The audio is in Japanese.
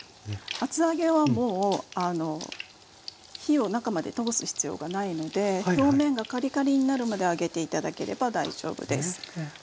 厚揚げはもう火を中まで通す必要がないので表面がカリカリになるまで揚げて頂ければ大丈夫です。